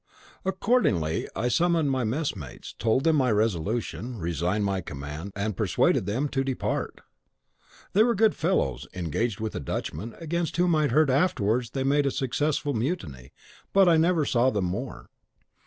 Accordingly, I summoned my messmates, told them my resolution, resigned my command, and persuaded them to depart. They were good fellows, engaged with a Dutchman, against whom I heard afterwards they made a successful mutiny, but I never saw them more.